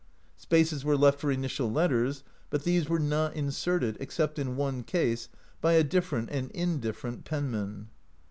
Spaces were left for initial letters, but these were not inserted, except in one case by a different and indifferent penman.